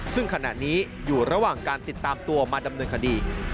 ซึ่งขณะนี้อยู่ระหว่างการติดตามตัวมาดำเนินคดี